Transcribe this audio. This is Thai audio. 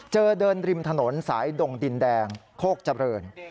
เจอเดินริมถนนสายดงดินแดงขโกรธเจาะเติม